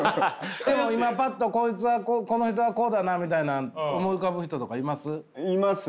でも今パッとこいつはこの人はこうだなみたいな思い浮かぶ人とかいます？